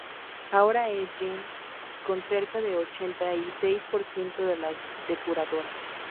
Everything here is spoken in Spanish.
ahora es Jaén con cerca del ochenta y seis por ciento de las depuradoras